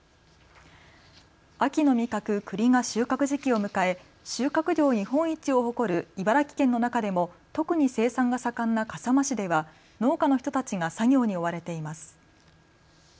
秋の味覚、くりが収穫時期を迎え収穫量日本一を誇る茨城県の中でも特に生産が盛んな笠間市では農家の人たちが作業に追われています。